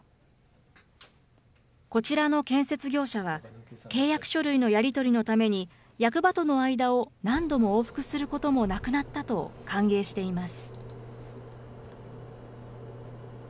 こちらの建設業者は、契約書類のやり取りのために、役場との間を何度も往復することもなくなったと歓迎しています。